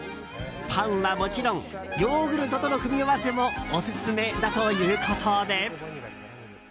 パンはもちろんヨーグルトとの組み合わせもオススメだということで。